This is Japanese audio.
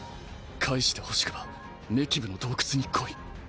返してほしくばメキブの洞窟に来い」。